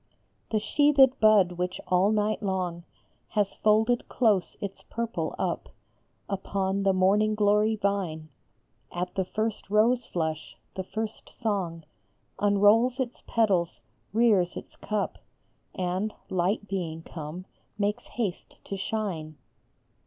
The sheathed bud which all night long Has folded close its purple up Upon the morning glory vine ; At the first rose flush, the first song, Unrolls its petals, rears its cup, And, light being come, makes haste to shine.